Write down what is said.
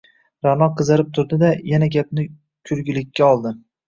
Ra’no qizarib turdi-da, yana gapni kulgilikka oldi: